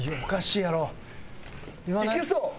いけそう！